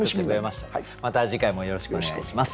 また次回もよろしくお願いします。